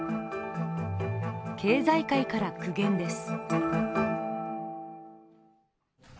経済界から苦言です。